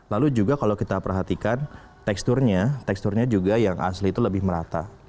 lalu juga kalau kita perhatikan teksturnya teksturnya juga yang asli itu lebih merata